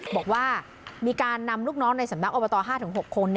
บอกว่ามีการนำลูกน้องในสำนักอบต๕๖คน